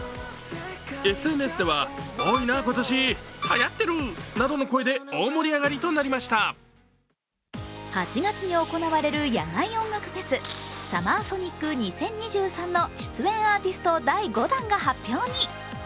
ＳＮＳでは大盛り上がりとなりました８月に行われる野外音楽フェスＳＵＭＭＥＲＳＯＮＩＣ２０２３の出演アーティスト第５弾が発表に。